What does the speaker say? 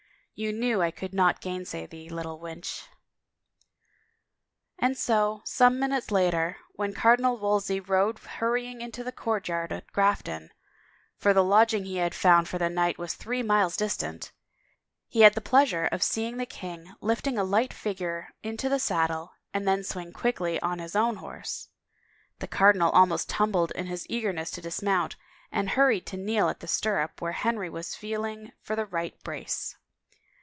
" You knew I could not gainsay thee, little witch." 202 THE LAW'S DELAYS And so, some minutes later, when Cardinal Wolsey rode hurrying into the courtyard at Grafton — for the lodging he had found for the night was three miles dis tant — he had the pleasure of seeing the king lifting a light figure into the saddle and then swing quickly on his own horse. The cardinal almost tumbled in his eagerness to dismount, and hurried to kneel at the stirrup where Henry was feeling for the right brace.